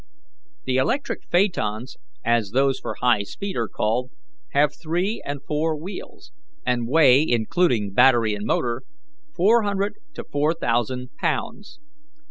"The electric phaetons, as those for high speed are called, have three and four wheels, and weigh, including battery and motor, five hundred to four thousand pounds.